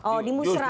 oh di musrah